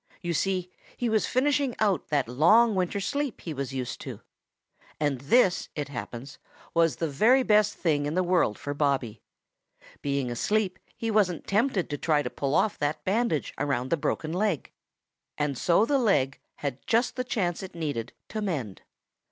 You see, he was finishing out that long winter sleep he was used to. And this, it happens, was the very best thing in the world for Bobby. Being asleep, he wasn't tempted to try to pull off that bandage around the broken leg, and so the leg, had just the chance it needed to mend.